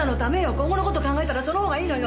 今後の事を考えたらその方がいいのよ。